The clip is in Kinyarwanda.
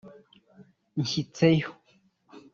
nshyitseyo